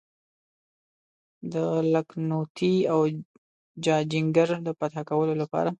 د لکهنوتي او جاجینګر د فتح کولو لپاره.